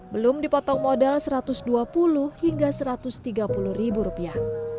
belum dipotong modal satu ratus dua puluh hingga satu ratus tiga puluh ribu rupiah